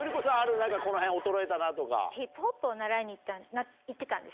何かこのへん衰えたなとか。